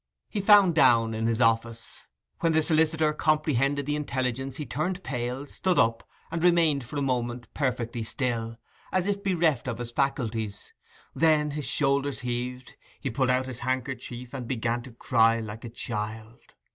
He found Downe in his office. When the solicitor comprehended the intelligence he turned pale, stood up, and remained for a moment perfectly still, as if bereft of his faculties; then his shoulders heaved, he pulled out his handkerchief and began to cry like a child.